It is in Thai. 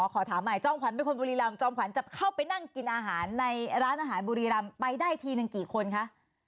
ขอถามใหม่จ้องขวัญเป็นคนบุรีรำจอมขวัญจะเข้าไปนั่งกินอาหารในร้านอาหารบุรีรำไปได้ทีหนึ่งกี่คนคะ